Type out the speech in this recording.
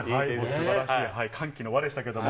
すばらしい歓喜の輪でしたけど。